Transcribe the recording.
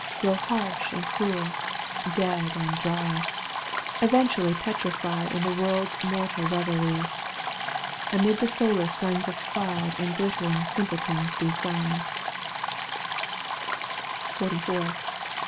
18a Grow harsh and cruel, dead and dry, Eventually petrify In the world's mortal revelries, ^/Amid the soulless sons of pride I And glitterilig simpletons beside ; XLIV.